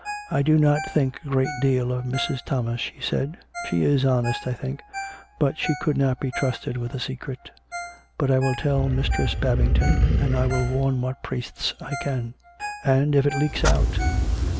" I do not think a great deal of Mrs. Thomas," she said. " She is honestj I think ; but she could not be trusted with 258 COME RACK! COME ROPE! a secret. But I will tell Mistress Babington, and I will warn what priests I can." "And if it leaks out?"